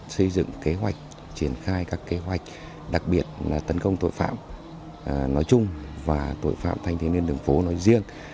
xây dựng kế hoạch triển khai các kế hoạch đặc biệt là tấn công tội phạm nói chung và tội phạm thanh thiếu niên đường phố nói riêng